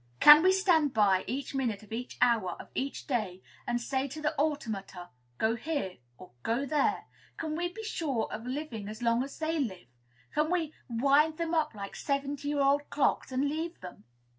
Can we stand by, each minute of each hour of each day, and say to the automata, Go here, or Go there? Can we be sure of living as long as they live? Can we wind them up like seventy year clocks, and leave them?